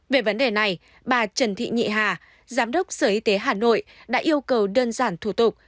về vấn đề này bà trần thị nhị hà giám đốc sở y tế hà nội đã yêu cầu đơn giản thủ tục